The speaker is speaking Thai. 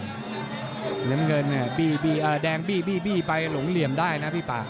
ใส่น้ำเงินแดงเบียนไปหลงเหลี่ยมได้นะพี่ปั่น